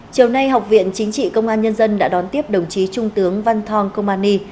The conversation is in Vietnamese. chiều nay học viện chính trị công an nhân dân đã đón tiếp đồng chí trung tướng văn thong kông an ni